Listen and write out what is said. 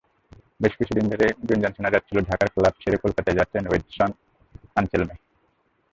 বেশ কিছুদিন ধরেই গুঞ্জন শোনা যাচ্ছিল, ঢাকার ক্লাব ছেড়ে কলকাতা যাচ্ছেন ওয়েডসন আনসেলমে।